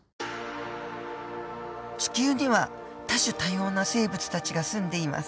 地球には多種多様な生物たちが住んでいます。